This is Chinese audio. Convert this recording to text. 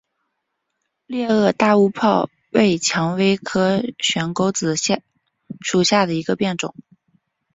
裂萼大乌泡为蔷薇科悬钩子属下的一个变种。